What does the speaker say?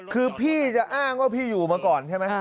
คือพี่จะอ้างว่าพี่อยู่มาก่อนใช่ไหม